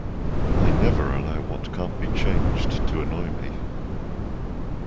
I never allow what can't be changed to annoy me.